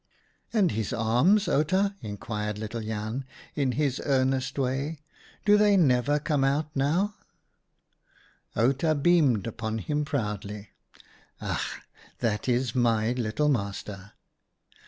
" And his arms, Outa," inquired little Jan, in his earnest way, "do they never come out now r Outa beamed upon him proudly. " Ach ! that is my little master